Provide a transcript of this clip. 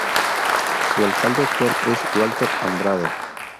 Su alcalde actual es Walter Andrade.